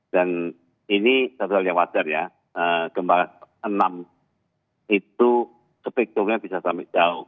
dan ini satu hal yang wajar ya gempa enam itu sepikturnya bisa sampai jauh